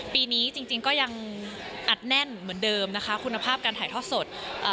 ปีนี้จริงจริงก็ยังอัดแน่นเหมือนเดิมนะคะคุณภาพการถ่ายทอดสดอ่า